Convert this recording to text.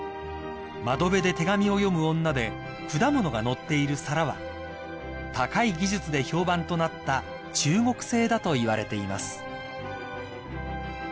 ［『窓辺で手紙を読む女』で果物が載っている皿は高い技術で評判となった中国製だといわれています］